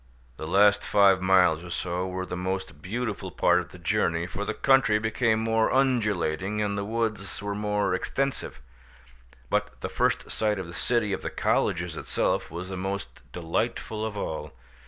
The last five miles or so were the most beautiful part of the journey, for the country became more undulating, and the woods were more extensive; but the first sight of the city of the colleges itself was the most delightful of all.